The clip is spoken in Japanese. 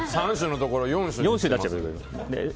３種のところ４種になってる。